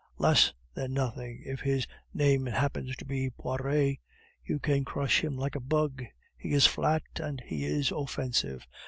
Less than nothing if his name happens to be Poiret; you can crush him like a bug, he is flat and he is offensive.